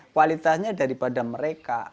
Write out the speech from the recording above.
kualitasnya daripada mereka